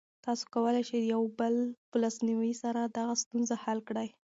تاسو کولی شئ د یو بل په لاسنیوي سره دغه ستونزه حل کړئ.